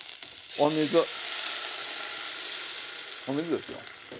お水ですよ。